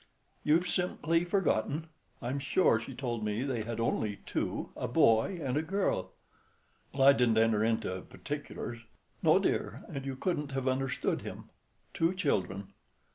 "You've simply forgotten. I'm sure she told me they had only two—a boy and a girl." "Well, I didn't enter into particulars." "No, dear, and you couldn't have understood him. Two children."